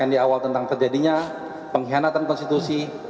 yang di awal tentang terjadinya pengkhianatan konstitusi